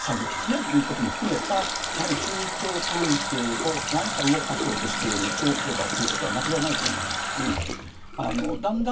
そういうことも含めた中朝関係を何か動かそうとしている兆候だということは間違いないと思いますしだんだん